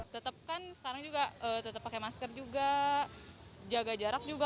tetap kan sekarang juga tetap pakai masker juga jaga jarak juga